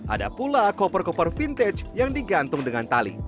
ada pula koper koper vintage yang digantung dengan tali